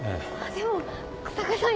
でも日下さん